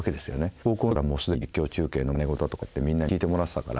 高校の時からもう既に実況中継のまね事とかやってみんなに聞いてもらってたから。